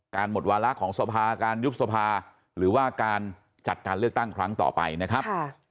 หมดวาระของสภาการยุบสภาหรือว่าการจัดการเลือกตั้งครั้งต่อไปนะครับ